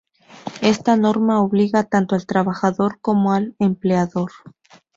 Esta norma obliga tanto al trabajador como al empleador.